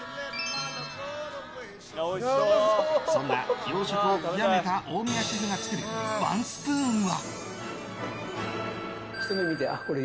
そんな、洋食を極めた大宮シェフが作るワンスプーンは。